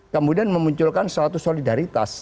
kemudian memunculkan suatu solidaritas